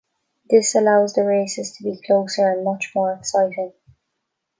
This allows the races to be closer and much more exciting.